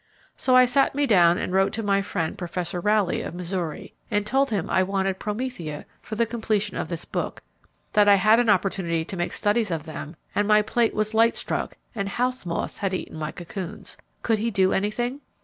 So I sat me down and wrote to my friend, Professor Rowley, of Missouri, and told him I wanted Promethea for the completion of this book; that I had an opportunity to make studies of them and my plate was light struck, and house moths had eaten my cocoons. Could he do anything?